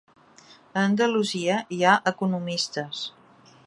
A Andalusia hi ha economistes.